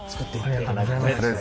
ありがとうございます。